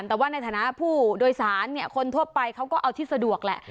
แต่ว่าในฐานะผู้โดยสารเนี่ยคนทั่วไปเขาก็เอาที่สะดวกแหละ